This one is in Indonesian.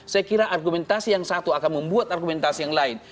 saya kira argumentasi yang satu akan membuat argumentasi yang lain